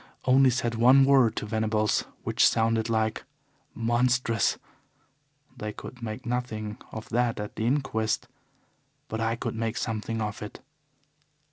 Only said one word to Venables, which sounded like 'Monstrous.' They could make nothing of that at the inquest. But I could make something of it.